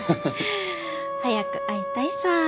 早く会いたいさー。